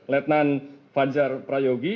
letnan fadjar prayogi